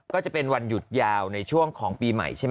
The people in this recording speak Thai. ก็จะเป็นวันหยุดยาวในช่วงของปีใหม่ใช่ไหม